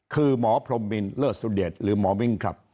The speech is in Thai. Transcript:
คือหมอพรมมินเลิศสุเดชหรือหมอมิ้งครับ